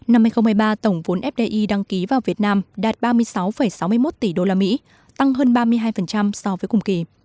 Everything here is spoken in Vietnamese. năm hai nghìn một mươi ba tổng vốn fdi đăng ký vào việt nam đạt ba mươi sáu sáu mươi một tỷ usd tăng hơn ba mươi hai so với cùng kỳ